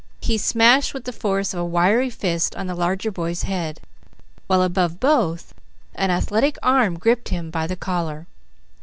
He smashed with the force of a wiry fist on the larger boy's head, while above both, an athletic arm gripped him by the collar.